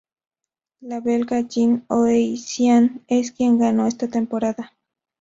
La belga Yin Oei Sian es quien ganó esta temporada.